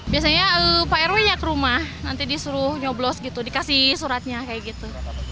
biasanya pak rw ya ke rumah nanti disuruh nyoblos gitu dikasih suratnya kayak gitu